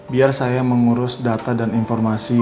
biar saya mengurus data dan informasi